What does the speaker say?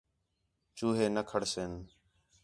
چوہے نہ کھڑسِن